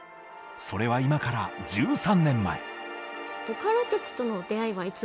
それは今から１３年前。